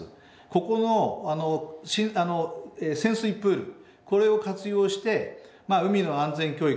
ここのあの潜水プールこれを活用して海の安全教育